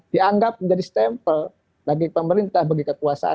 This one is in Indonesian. dianggap menjadi stempel bagi pemerintah bagi kekuasaan